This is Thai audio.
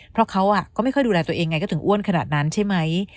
เพราะเขาก็ไม่ค่อยดูแลตัวเองไงก็ถึงอ้วนขนาดนั้นใช่ไหม